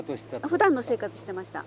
ふだんの生活してました。